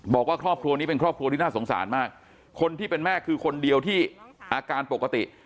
บอกว่าครอบครัวนี้เป็นครอบครัวที่น่าสงสารมากคนที่เป็นแม่คือคนเดียวที่อาการปกติ